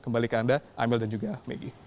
kembali ke anda amel dan juga maggie